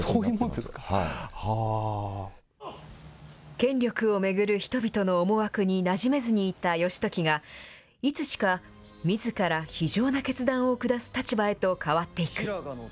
権力を巡る人々の思惑になじめずにいた義時が、いつしか、みずから非情な決断を下す立場へと変わっていく。